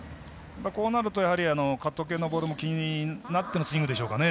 こうなるとカット系のボールも気になってのスイングでしょうかね。